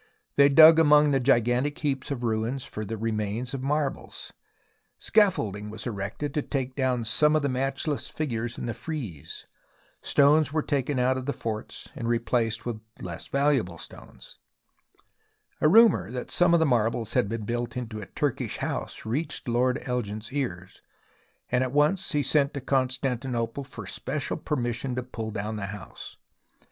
They dug among the gigantic heaps of ruins for remains of marbles. Scaffolding was erected to take down some of the matchless figures in the frieze. Stones were taken out of the forts and replaced with less valuable stones. A rumour that some marbles had been built into a Turkish house reached Lord Elgin's ears, and at once he sent to Constantinople for special per mission to pull down the house.